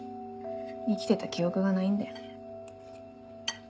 生きてた記憶がないんだよ。